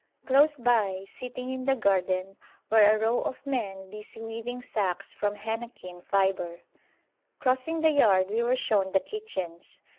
Close by, sitting in the garden, were a row of men busy weaving sacks from henequen fibre. Crossing the yard, we were shown the kitchens.